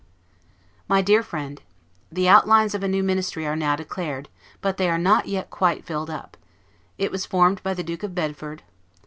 MY DEAR FRIEND: The outlines of a new Ministry are now declared, but they are not yet quite filled up; it was formed by the Duke of Bedford.